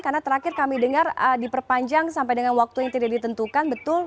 karena terakhir kami dengar diperpanjang sampai dengan waktu yang tidak ditentukan betul